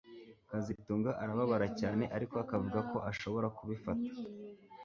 kazitunga arababara cyane ariko akavuga ko ashobora kubifata